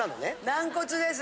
軟骨です。